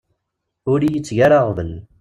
Ur iyi-tteg ara aɣbel.